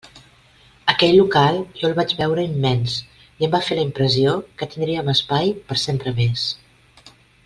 Aquell local jo el vaig veure immens i em va fer la impressió que tindríem espai per sempre més.